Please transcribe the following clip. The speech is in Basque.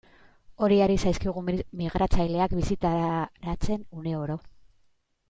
Hori ari zaizkigu migratzaileak bistaratzen, uneoro.